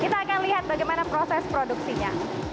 kita akan lihat bagaimana proses produksinya